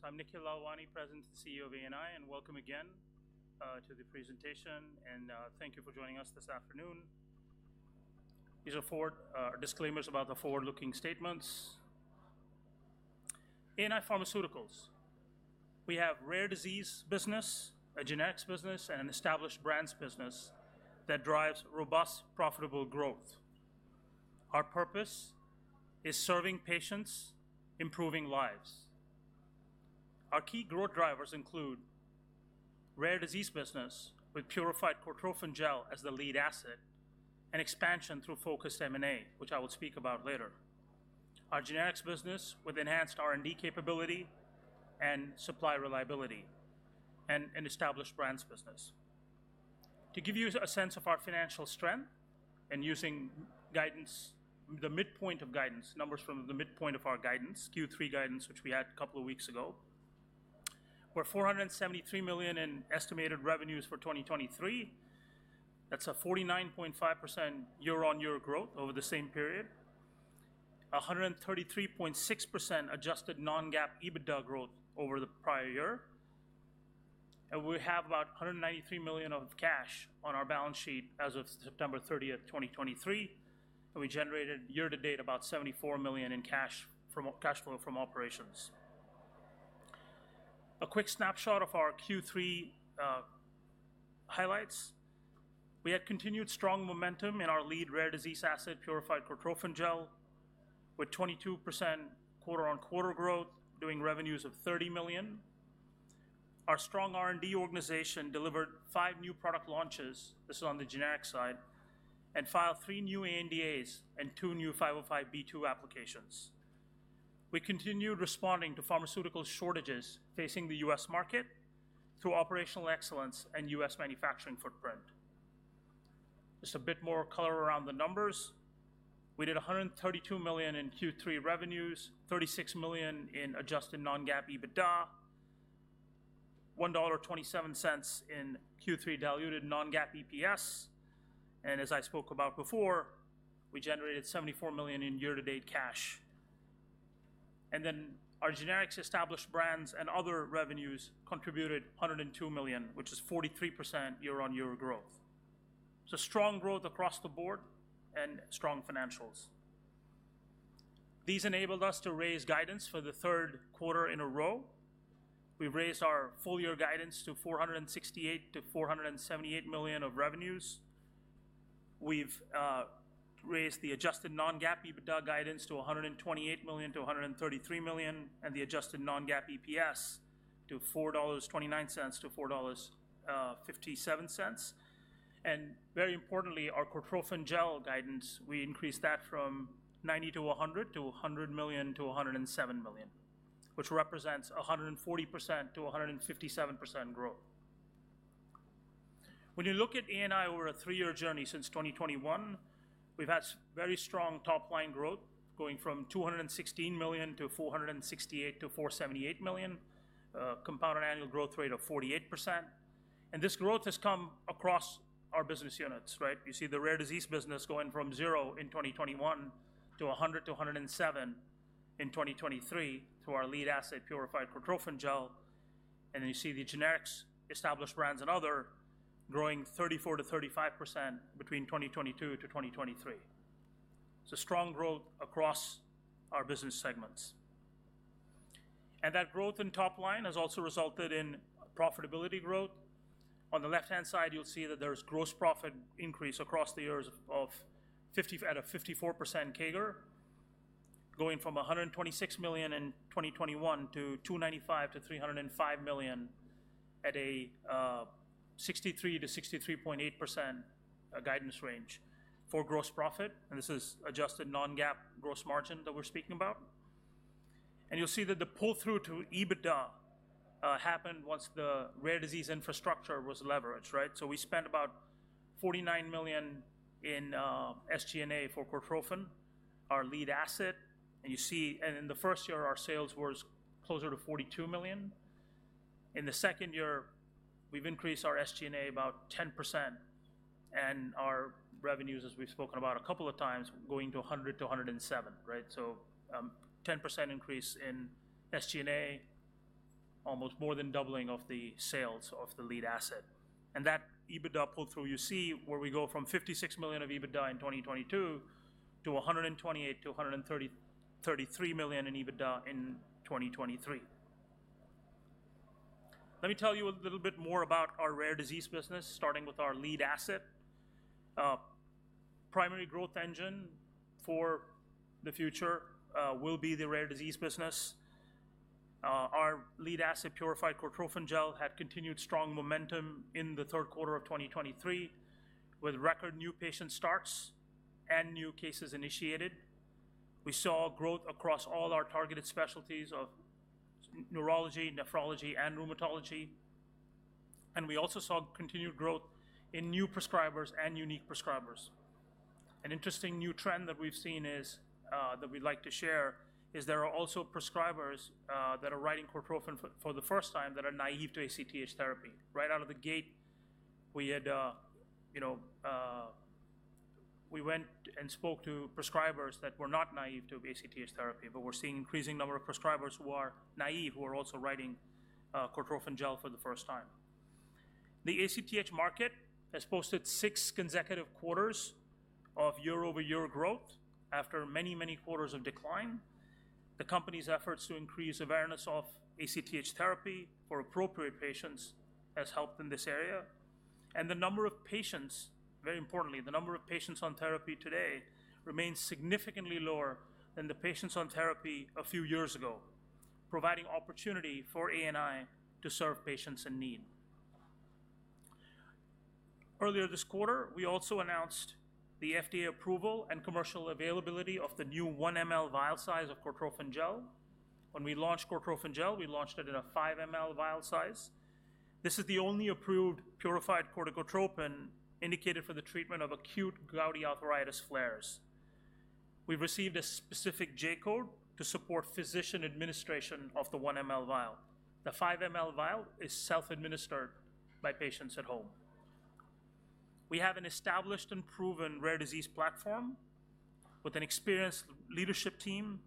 So I'm Nikhil Lalwani, President and CEO of ANI, and welcome again to the presentation, and thank you for joining us this afternoon. These are forward disclaimers about the forward-looking statements. ANI Pharmaceuticals. We have rare disease business, a generics business, and an established brands business that drives robust, profitable growth. Our purpose is serving patients, improving lives. Our key growth drivers include rare disease business, with Purified Cortrophin Gel as the lead asset, and expansion through focused M&A, which I will speak about later. Our generics business, with enhanced R&D capability and supply reliability, and established brands business. To give you a sense of our financial strength and using guidance, the midpoint of guidance, numbers from the midpoint of our guidance, Q3 guidance, which we had a couple of weeks ago, we're $473 million in estimated revenues for 2023. That's a 49.5% year-on-year growth over the same period. A 133.6% adjusted non-GAAP EBITDA growth over the prior year, and we have about $193 million of cash on our balance sheet as of September 30, 2023, and we generated year to date about $74 million in cash flow from operations. A quick snapshot of our Q3 highlights. We had continued strong momentum in our lead rare disease asset, Purified Cortrophin Gel, with 22% quarter-on-quarter growth, doing revenues of $30 million. Our strong R&D organization delivered five new product launches, this is on the generic side, and filed three new ANDAs and two new 505(b)(2) applications. We continued responding to pharmaceutical shortages facing the U.S. market through operational excellence and U.S. manufacturing footprint. Just a bit more color around the numbers. We did $132 million in Q3 revenues, $36 million in adjusted non-GAAP EBITDA, $1.27 in Q3 diluted non-GAAP EPS, and as I spoke about before, we generated $74 million in year-to-date cash. And then our generics, established brands, and other revenues contributed $102 million, which is 43% year-on-year growth. So strong growth across the board and strong financials. These enabled us to raise guidance for the third quarter in a row. We've raised our full-year guidance to $468 million-$478 million of revenues. We've raised the adjusted non-GAAP EBITDA guidance to $128 million-$133 million, and the adjusted non-GAAP EPS to $4.29-$4.57. Very importantly, our Cortrophin Gel guidance, we increased that from $90-$100 million to $100-$107 million, which represents 140%-157% growth. When you look at ANI over a three-year journey since 2021, we've had very strong top-line growth, going from $216 million to $468-$478 million, compounded annual growth rate of 48%. And this growth has come across our business units, right? You see the rare disease business going from 0 in 2021 to $100-$107 in 2023, to our lead asset, Purified Cortrophin Gel. And then you see the generics, established brands and other, growing 34%-35% between 2022 to 2023. So strong growth across our business segments. And that growth in top line has also resulted in profitability growth. On the left-hand side, you'll see that there's gross profit increase across the years at a 54% CAGR, going from $126 million in 2021 to $295 million-$305 million at a 63%-63.8% guidance range for gross profit, and this is adjusted non-GAAP gross margin that we're speaking about. And you'll see that the pull-through to EBITDA happened once the rare disease infrastructure was leveraged, right? So we spent about $49 million in SG&A for Cortrophin, our lead asset. And in the first year, our sales were closer to $42 million. In the second year, we've increased our SG&A about 10%, and our revenues, as we've spoken about a couple of times, going to $100 million-$107 million, right? So, 10% increase in SG&A, almost more than doubling of the sales of the lead asset. And that EBITDA pull-through, you see where we go from $56 million of EBITDA in 2022 to $128 million-$133 million in EBITDA in 2023. Let me tell you a little bit more about our rare disease business, starting with our lead asset. Primary growth engine for the future will be the rare disease business. Our lead asset, Purified Cortrophin Gel, had continued strong momentum in the third quarter of 2023, with record new patient starts and new cases initiated. We saw growth across all our targeted specialties of neurology, nephrology, and rheumatology, and we also saw continued growth in new prescribers and unique prescribers. An interesting new trend that we've seen is that we'd like to share: there are also prescribers that are writing Cortrophin for the first time that are naive to ACTH therapy. Right out of the gate, we had, you know, we went and spoke to prescribers that were not naive to ACTH therapy, but we're seeing increasing number of prescribers who are naive, who are also writing Cortrophin Gel for the first time. The ACTH market has posted six consecutive quarters of year-over-year growth after many, many quarters of decline. The company's efforts to increase awareness of ACTH therapy for appropriate patients has helped in this area, and the number of patients, very importantly, the number of patients on therapy today remains significantly lower than the patients on therapy a few years ago, providing opportunity for ANI to serve patients in need. Earlier this quarter, we also announced the FDA approval and commercial availability of the new 1 mL vial size of Cortrophin Gel. When we launched Cortrophin Gel, we launched it in a 5 mL vial size. This is the only approved purified corticotropin indicated for the treatment of acute gouty arthritis flares. We received a specific J-code to support physician administration of the 1 mL vial. The 5 mL vial is self-administered by patients at home. We have an established and proven rare disease platform with an experienced leadership team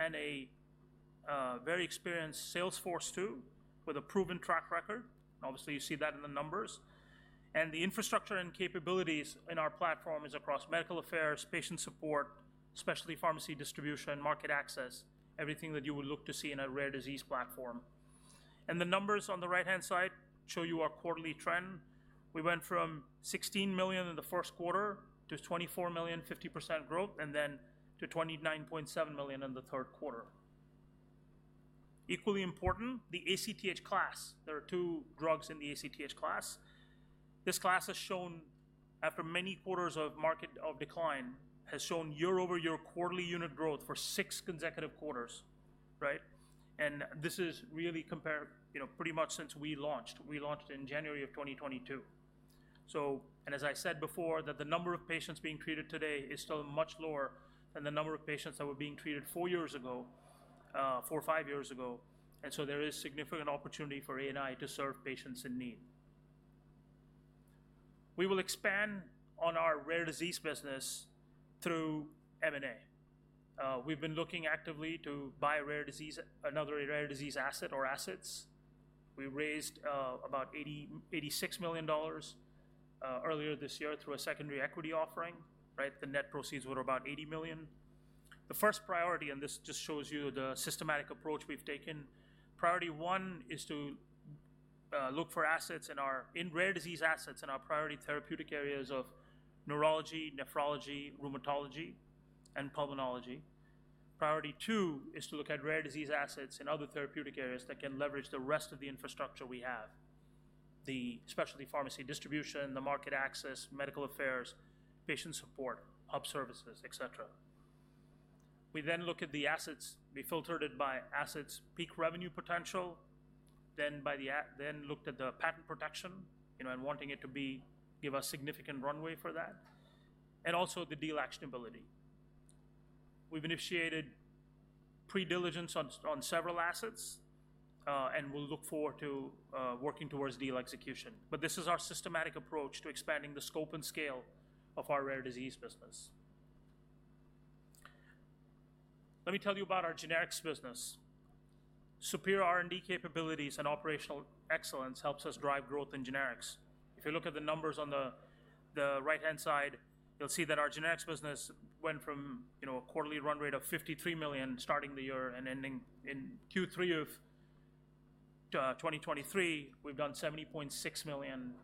and a very experienced sales force too, with a proven track record. Obviously, you see that in the numbers. And the infrastructure and capabilities in our platform is across medical affairs, patient support, specialty pharmacy distribution, and market access, everything that you would look to see in a rare disease platform. And the numbers on the right-hand side show you our quarterly trend. We went from $16 million in the first quarter to $24 million, 50% growth, and then to $29.7 million in the third quarter. Equally important, the ACTH class, there are two drugs in the ACTH class. This class has shown, after many quarters of market decline, year-over-year quarterly unit growth for six consecutive quarters, right? And this is really compared, you know, pretty much since we launched. We launched in January of 2022. So, and as I said before, that the number of patients being treated today is still much lower than the number of patients that were being treated four years ago, four or five years ago, and so there is significant opportunity for ANI to serve patients in need. We will expand on our rare disease business through M&A. We've been looking actively to buy a rare disease, another rare disease asset or assets. We raised about $86 million earlier this year through a secondary equity offering, right? The net proceeds were about $80 million. The first priority, and this just shows you the systematic approach we've taken, priority one is to look for assets in rare disease assets, in our priority therapeutic areas of neurology, nephrology, rheumatology, and pulmonology. Priority two is to look at rare disease assets in other therapeutic areas that can leverage the rest of the infrastructure we have, the specialty pharmacy distribution, the market access, medical affairs, patient support, hub services, et cetera. We then look at the assets. We filtered it by assets' peak revenue potential, then looked at the patent protection, you know, and wanting it to give a significant runway for that, and also the deal actionability. We've initiated pre-diligence on several assets, and we'll look forward to working towards deal execution. But this is our systematic approach to expanding the scope and scale of our rare disease business. Let me tell you about our generics business. Superior R&D capabilities and operational excellence helps us drive growth in generics. If you look at the numbers on the right-hand side, you'll see that our generics business went from, you know, a quarterly run rate of $53 million, starting the year and ending in Q3 of 2023. We've done $70.6 million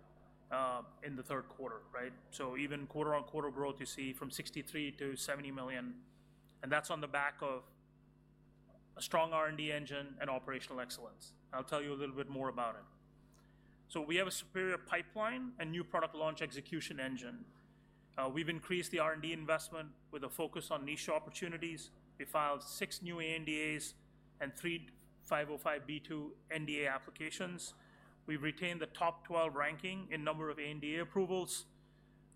in the third quarter, right? So even quarter-on-quarter growth, you see from $63 million to $70 million, and that's on the back of a strong R&D engine and operational excellence. I'll tell you a little bit more about it. So we have a superior pipeline and new product launch execution engine. We've increased the R&D investment with a focus on niche opportunities. We filed 6 new ANDAs and three 505(b)(2) NDA applications. We've retained the top 12 ranking in number of NDA approvals.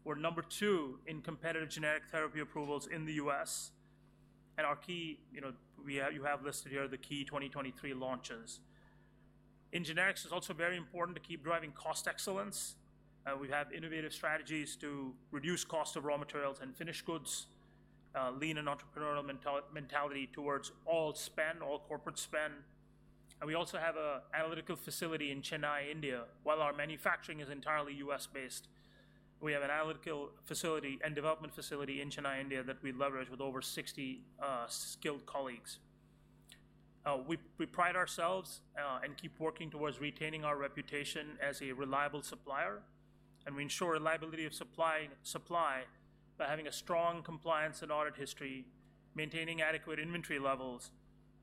We're number two in competitive generic therapy approvals in the U.S. And our key, you know, we have—you have listed here the key 2023 launches. In generics, it's also very important to keep driving cost excellence. We have innovative strategies to reduce cost of raw materials and finished goods, lean and entrepreneurial mentality towards all spend, all corporate spend. And we also have an analytical facility in Chennai, India. While our manufacturing is entirely U.S.-based, we have an analytical facility and development facility in Chennai, India, that we leverage with over 60 skilled colleagues. We pride ourselves and keep working towards retaining our reputation as a reliable supplier, and we ensure reliability of supply by having a strong compliance and audit history, maintaining adequate inventory levels,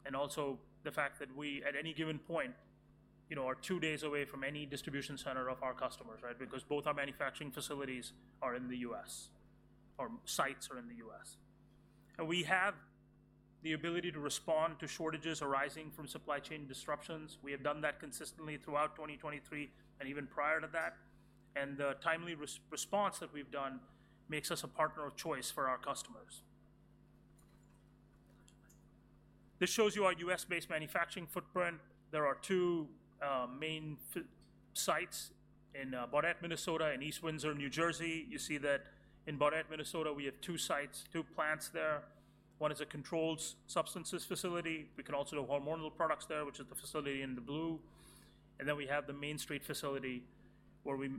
and also the fact that we, at any given point, you know, are two days away from any distribution center of our customers, right? Because both our manufacturing facilities are in the U.S., our sites are in the U.S. We have the ability to respond to shortages arising from supply chain disruptions. We have done that consistently throughout 2023 and even prior to that, and the timely response that we've done makes us a partner of choice for our customers. This shows you our U.S.-based manufacturing footprint. There are two main sites in Baudette, Minnesota, and East Windsor, New Jersey. You see that in Baudette, Minnesota, we have two sites, two plants there. One is a controlled substances facility. We can also do hormonal products there, which is the facility in the blue, and then we have the Main Street facility where we,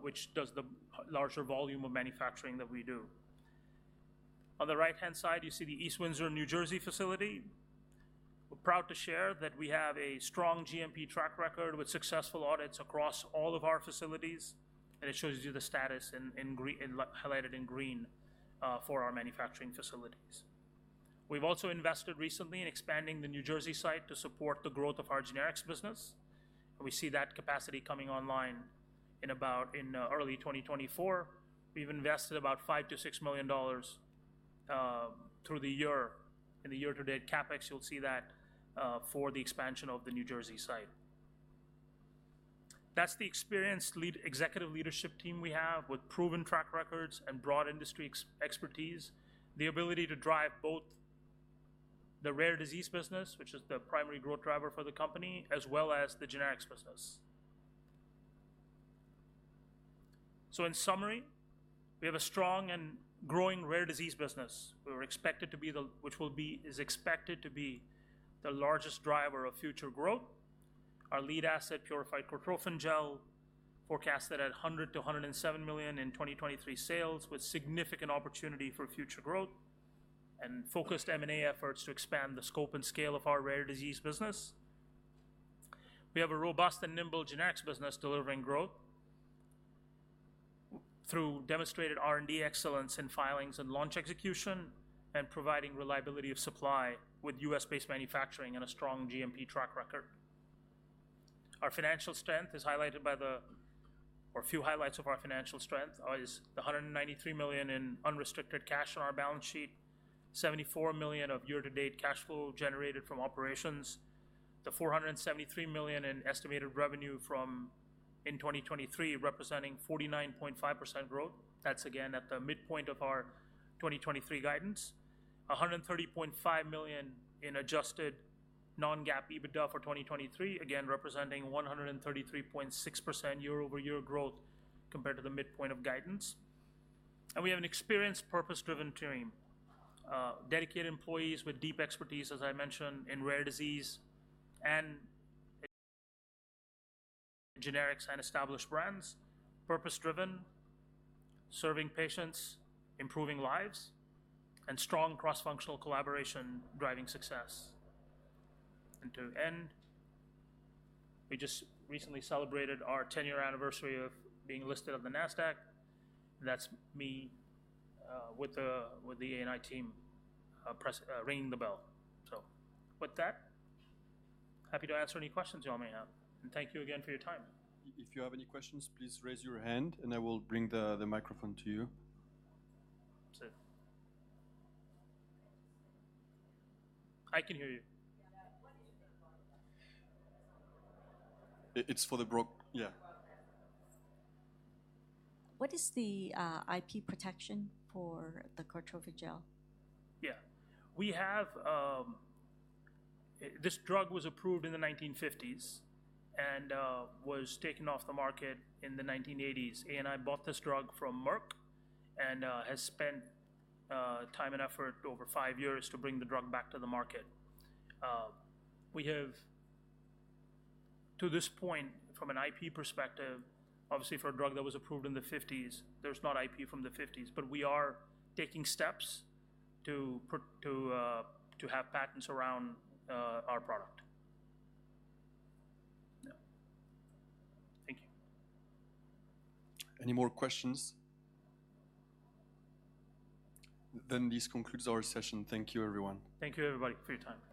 which does the larger volume of manufacturing that we do. On the right-hand side, you see the East Windsor, New Jersey facility. We're proud to share that we have a strong GMP track record with successful audits across all of our facilities, and it shows you the status in green, highlighted in green, for our manufacturing facilities. We've also invested recently in expanding the New Jersey site to support the growth of our generics business, and we see that capacity coming online in about early 2024. We've invested about $5-$6 million through the year in the year-to-date CapEx. You'll see that for the expansion of the New Jersey site. That's the experienced leadership team we have, with proven track records and broad industry expertise, the ability to drive both the rare disease business, which is the primary growth driver for the company, as well as the generics business. So in summary, we have a strong and growing rare disease business. Which is expected to be the largest driver of future growth. Our lead asset, Purified Cortrophin Gel, forecasted at $100-$107 million in 2023 sales, with significant opportunity for future growth and focused M&A efforts to expand the scope and scale of our rare disease business. We have a robust and nimble generics business delivering growth, through demonstrated R&D excellence in filings and launch execution, and providing reliability of supply with U.S.-based manufacturing and a strong GMP track record. Our financial strength is highlighted by or a few highlights of our financial strength is the $193 million in unrestricted cash on our balance sheet, $74 million of year-to-date cash flow generated from operations. The $473 million in estimated revenue from in 2023, representing 49.5% growth. That's again at the midpoint of our 2023 guidance. $130.5 million in adjusted non-GAAP EBITDA for 2023, again, representing 133.6% year-over-year growth compared to the midpoint of guidance. And we have an experienced, purpose-driven team. Dedicated employees with deep expertise, as I mentioned, in rare disease and generics and established brands. Purpose-driven, serving patients, improving lives, and strong cross-functional collaboration, driving success. To end, we just recently celebrated our 10-year anniversary of being listed on the NASDAQ. That's me with the ANI team ringing the bell. With that, happy to answer any questions you all may have, and thank you again for your time. If you have any questions, please raise your hand and I will bring the microphone to you. Sure. I can hear you. It's for the brook. Yeah. What is the IP protection for the Cortrophin Gel? Yeah. We have—this drug was approved in the 1950s and was taken off the market in the 1980s. ANI bought this drug from Merck and has spent time and effort over 5 years to bring the drug back to the market. We have, to this point, from an IP perspective, obviously, for a drug that was approved in the 1950s, there's not IP from the 1950s, but we are taking steps to have patents around our product. Yeah. Thank you. Any more questions? Then this concludes our session. Thank you, everyone. Thank you, everybody, for your time.